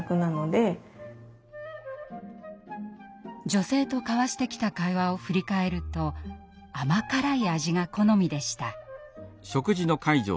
女性と交わしてきた会話を振り返ると甘辛い味が好みでした。